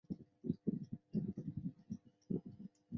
原作为大友克洋的同名短篇漫画。